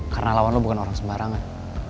karena lawan lo bukan orang sembarangan